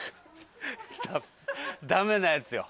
ダメなやつよ。